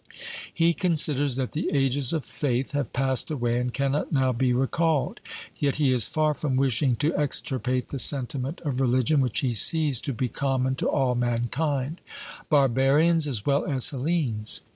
He considers that the 'ages of faith' have passed away and cannot now be recalled. Yet he is far from wishing to extirpate the sentiment of religion, which he sees to be common to all mankind Barbarians as well as Hellenes.